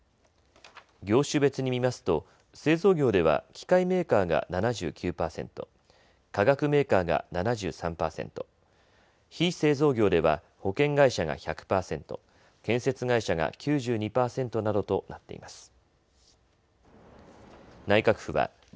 業種別に見ますと製造業では機械メーカーが７９％、化学メーカーが７３％、非製造業では保険会社が１００％、建設会社が９２％などとなっています。